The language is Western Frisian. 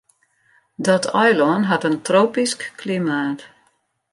Dat eilân hat in tropysk klimaat.